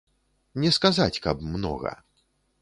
Не сказаць, каб многа.